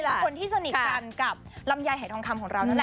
น่าจะเป็นคนที่สนิทกันกับลำไยไห้ทองคำคนนั่นแหละ